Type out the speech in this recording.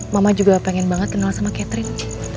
mama juga pengen banget kenal sama catherine